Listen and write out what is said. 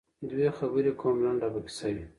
دوی خبري کوم لنډه به کیسه وي